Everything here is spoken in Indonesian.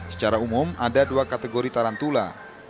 secara umum ada dua kategori tarantula